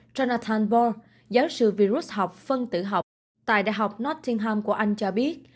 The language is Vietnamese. jonathan ball giáo sư virus học phân tử học tại đại học nottingham của anh cho biết